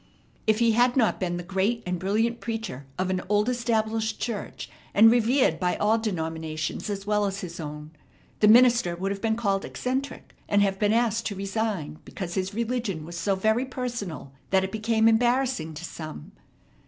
If he had not been the great and brilliant preacher of an old established church, and revered by all denominations as well as his own, the minister would have been called eccentric and have been asked to resign, because his religion was so very personal that it became embarrassing to some.